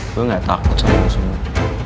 gue gak takut sama semua